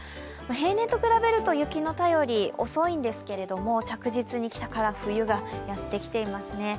平年と比べると雪の便り、遅いんですけれども着実に北から冬がやってきていますね。